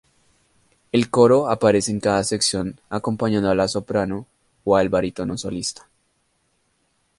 El coro aparece en cada sección, acompañando a la soprano o al barítono solista.